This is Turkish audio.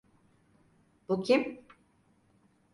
Bu kim?